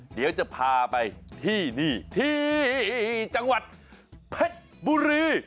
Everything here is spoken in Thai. เดี๋ยวจะพาไปที่นี่ที่จังหวัดเพชรบุรี